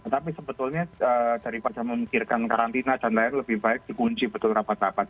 tapi sebetulnya daripada memikirkan karantina dan lain lain lebih baik dikunci betul rapat rapat